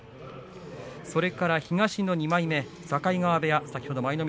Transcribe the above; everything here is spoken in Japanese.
それから東の２枚目境川部屋平戸海。